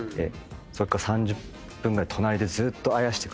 そっから３０分ぐらい隣でずーっとあやしてくださって。